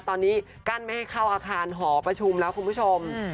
ตอนนี้กรรมไม่ข้าวอาคารหลอประชุมแล้วคุณผู้ชม